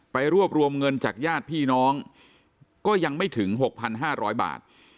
รวบรวมเงินจากญาติพี่น้องก็ยังไม่ถึง๖๕๐๐บาท